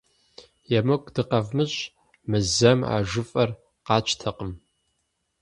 ЕмыкӀу дыкъэвмыщӀ, мы зэм а жыфӀэр къатщтэкъым.